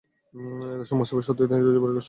এতসব মুসীবত সত্ত্বেও তিনি ধৈর্যের পরাকাষ্ঠা দেখান।